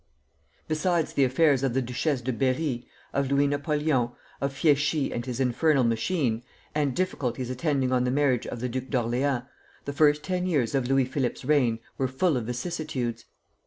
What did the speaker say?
Besides the affairs of the Duchesse de Berri, of Louis Napoleon, of Fieschi and his infernal machine, and difficulties attending on the marriage of the Duke of Orleans, the first ten years of Louis Philippe's reign were full of vicissitudes.